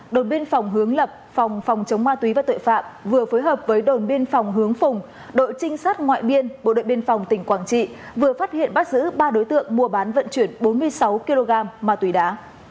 đồn biên phòng hướng lập phòng phòng chống ma túy và tội phạm vừa phối hợp với đồn biên phòng hướng phùng đội trinh sát ngoại biên bộ đội biên phòng tỉnh quảng trị vừa phát hiện bắt giữ ba đối tượng mua bán vận chuyển bốn mươi sáu kg ma túy đá